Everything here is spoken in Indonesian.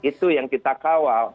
itu yang kita kawal